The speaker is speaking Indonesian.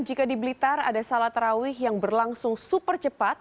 jika di blitar ada salat rawih yang berlangsung super cepat